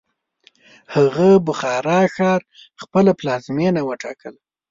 هغه بخارا ښار خپله پلازمینه وټاکله.